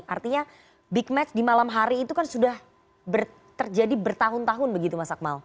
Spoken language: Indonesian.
artinya big match di malam hari itu kan sudah terjadi bertahun tahun begitu mas akmal